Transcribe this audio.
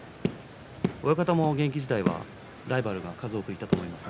親方も現役時代はライバルがいたと思います。